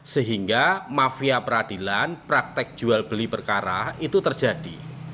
sehingga mafia peradilan praktek jual beli perkara itu terjadi